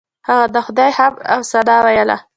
هغه د خدای حمد او ثنا ویله.